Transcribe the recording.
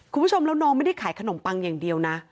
คุณผู้ชมแล้วน้องไม่ได้ขายขนมปังอย่างเดียวนะ